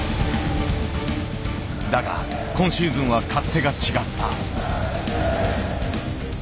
だが今シーズンは勝手が違った。